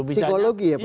psikologi ya pak